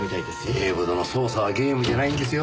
警部殿捜査はゲームじゃないんですよ。